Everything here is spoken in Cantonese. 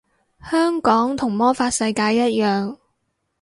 香港同魔法世界一樣